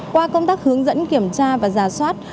qua công tác hướng dẫn kiểm tra và giả soát